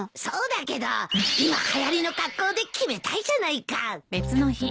そうだけど今はやりの格好で決めたいじゃないか。